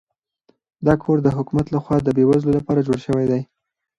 دا کور د حکومت لخوا د بې وزلو لپاره جوړ شوی دی.